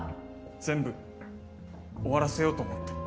全部終わらせようと思って。